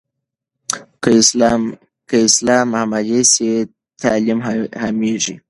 که اسلام عملي سي، تعلیم عامېږي.